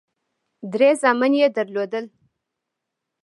درې زامن یې درلودل.